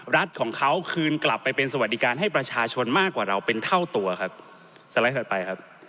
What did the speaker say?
รัฐของเขาคืนกลับไปเป็นสวัสดิการให้ประชาชนมากกว่าเราเป็นเท่าตัวครับ